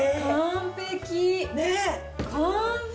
完璧！